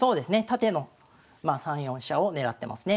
縦の３四飛車を狙ってますね。